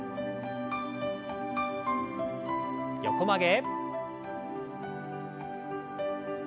横曲げ。